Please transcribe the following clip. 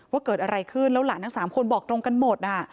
ว่าเกิดอะไรขึ้นแล้วหลานทั้ง๓คนบอกตรงกันหมด